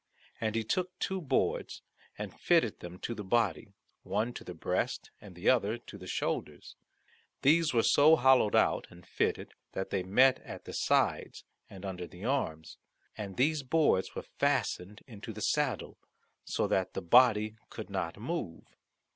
And he took two boards and fitted them to the body, one to the breast and the other to the shoulders; these were so hollowed out and fitted that they met at the sides and under the arms, and these boards were fastened into the saddle, so that the body could not move.